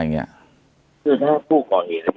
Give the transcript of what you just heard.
คือถ้าผู้ก